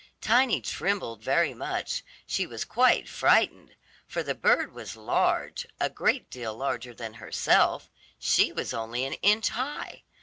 Tiny trembled very much; she was quite frightened, for the bird was large, a great deal larger than herself, she was only an inch high.